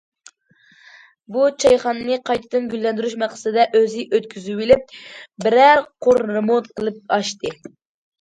بۇ چايخانىنى قايتىدىن گۈللەندۈرۈش مەقسىتىدە ئۆزى ئۆتكۈزۈۋېلىپ، بىرەر قۇر رېمونت قىلىپ ئاچتى.